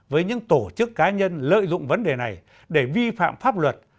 với những tổ chức cá nhân lợi dụng vấn đề này để vi phạm pháp luật